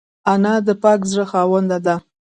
انا د پاک زړه خاونده ده